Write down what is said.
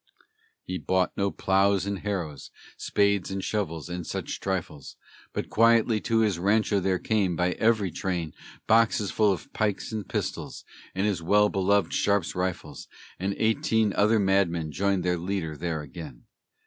He bought no ploughs and harrows, spades and shovels, and such trifles; But quietly to his rancho there came, by every train, Boxes full of pikes and pistols, and his well beloved Sharp's rifles; And eighteen other madmen joined their leader there again.